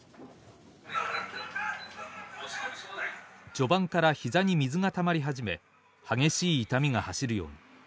序盤から膝に水がたまり始め激しい痛みが走るように。